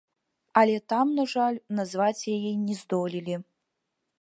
Але там, на жаль, назваць яе не здолелі.